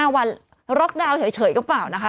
๕วันล็อกดาวน์เฉยหรือเปล่านะคะ